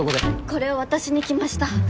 これを渡しに来ました。